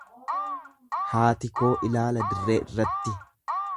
Haati koo ilaala dirree irratti.